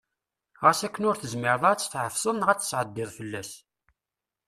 Ɣas akken ur tezmireḍ ara ad t-tɛefseḍ neɣ ad t-ttɛeddiḍ fell-as.